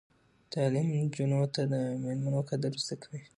تعلیم نجونو ته د میلمنو قدر ور زده کوي.